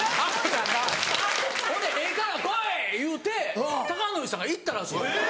ほんで「ええから来い！」言うて孝則さんが行ったらしいんです。